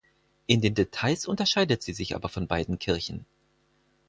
In den Details unterscheidet sie sich aber von beiden Kirchen.